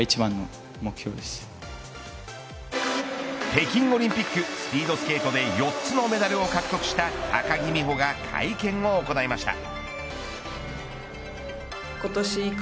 北京オリンピックスピードスケートで４つのメダルを獲得した高木美帆が会見を行いました。